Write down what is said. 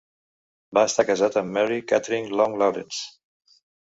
Va estar casat amb Mary Kathryn Long Lawrence.